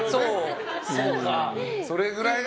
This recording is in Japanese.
それぐらいね。